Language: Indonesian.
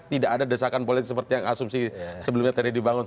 tidak ada desakan politik seperti yang asumsi sebelumnya tadi dibangun